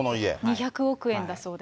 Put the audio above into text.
２００億円だそうです。